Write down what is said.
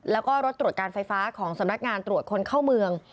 แล้วก็รถตรวจการไฟฟ้าของสำนักงานตรวจคนเข้าเมือง